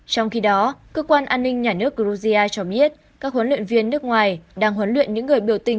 trong khi đó cơ quan an ninh nhà nước georgia cho biết các huấn luyện viên nước ngoài đang huấn luyện những người biểu tình